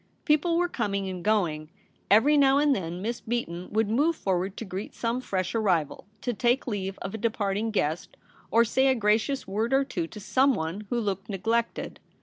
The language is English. People were coming and going. Every now and then Miss Beaton would move forward to greet some fresh arrival, to take leave of a departing guest, or say a gracious word or two to someone who looked neelected.